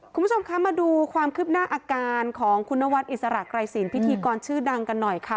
คุณผู้ชมคะมาดูความคืบหน้าอาการของคุณนวัดอิสระไกรศีลพิธีกรชื่อดังกันหน่อยค่ะ